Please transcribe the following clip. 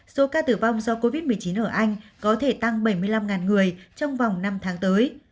số ca tử vong do covid một mươi chín ở anh có thể tăng bảy mươi năm người trong vòng năm tháng tới